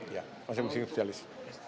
ya masing masing spesialis